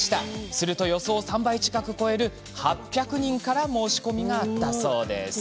すると予想を３倍近く超える８００人から申し込みがあったそうです